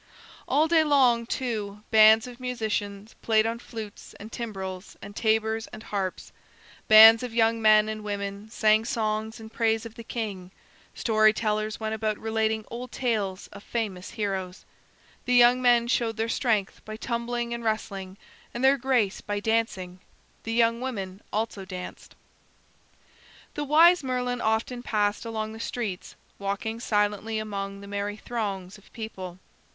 All day long, too, bands of musicians played on flutes and timbrels and tabors and harps; bands of young men and women sang songs in praise of the king; story tellers went about relating old tales of famous heroes. The young men showed their strength by tumbling and wrestling, and their grace by dancing; the young women also danced. The wise Merlin often passed along the streets, walking silently among the merry throngs of people.